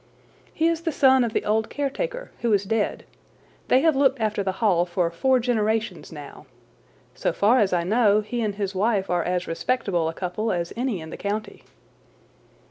"He is the son of the old caretaker, who is dead. They have looked after the Hall for four generations now. So far as I know, he and his wife are as respectable a couple as any in the county."